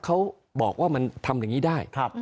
เขาบอกความันทำแบบนี้ได้